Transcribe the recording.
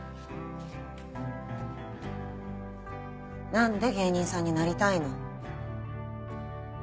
何で芸人さんになりたいの？